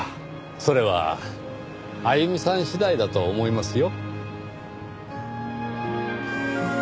それはあゆみさん次第だと思いますよ。